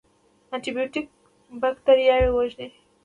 انټي بیوټیک بکتریاوې وژني